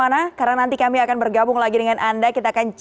ya terus kita